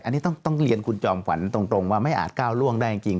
อันนี้ต้องเรียนคุณจอมขวัญตรงว่าไม่อาจก้าวล่วงได้จริง